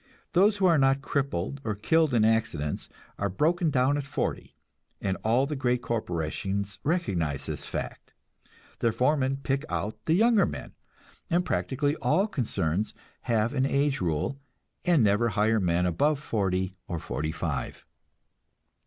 Those who are not crippled or killed in accidents are broken down at forty, and all the great corporations recognize this fact. Their foremen pick out the younger men, and practically all concerns have an age rule, and never hire men above forty or forty five.